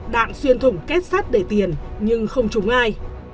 đạn xuyên thủng kết sắt để tiền nhưng không trúng ai